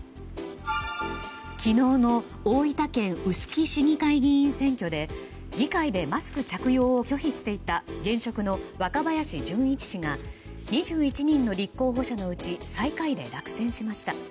昨日の大分県臼杵市議会議員選挙で議会でマスク着用を拒否していた現職の若林純一議員が２１人の立候補者のうち最下位で落選しました。